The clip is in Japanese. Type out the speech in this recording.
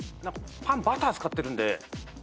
パンバター使ってるんで。